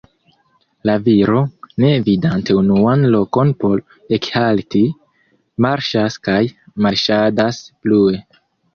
La viro, ne vidante unuan lokon por ekhalti, marŝas kaj marŝadas plue.